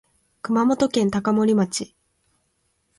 熊本県高森町